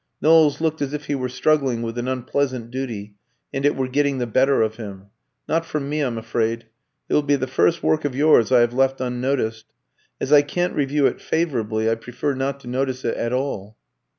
Knowles looked as if he were struggling with an unpleasant duty, and it were getting the better of him. "Not from me, I'm afraid. It will be the first work of yours I have left unnoticed. As I can't review it favourably, I prefer not to notice it at all."